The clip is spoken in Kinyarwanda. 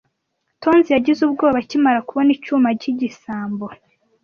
Tonzi yagize ubwoba akimara kubona icyuma cy'igisambo.